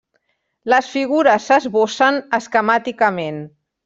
Les figures s'esbossen esquemàticament.